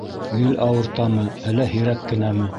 Гел ауыртамы әллә һирәк кенәме?